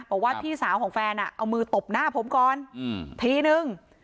บอกว่าพี่สาวของแฟนเอามือตบหน้าผมก่อนทีนึง